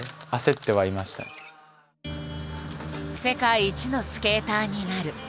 「世界一のスケーターになる」。